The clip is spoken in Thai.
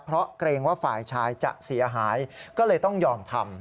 เพราะเกรงว่าฝ่ายชายจะเสียหายก็เลยต้องยอมทำ